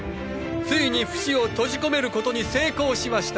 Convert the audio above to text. ついにフシを閉じ込めることに成功しました！！